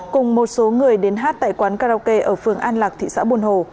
cùng một số người đến hát tại quán karaoke ở phường an lạc thị xã buôn hồ